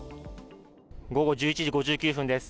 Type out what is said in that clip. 午後１１時５９分です。